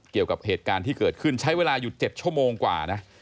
เกี่ยวกับเหตุการณ์ที่เกิดขึ้นใช้เวลาอยู่๗ชั่วโมงกว่านะ